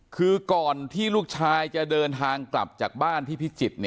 คือก่อนที่ลูกชายจะเดินทางกลับจากบ้านที่พิจิตร